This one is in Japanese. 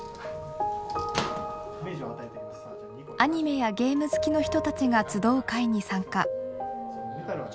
アニメやゲーム好きの人たちが集う会に参加。